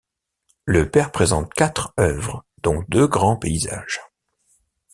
Le père présente quatre œuvres dont deux grands paysages.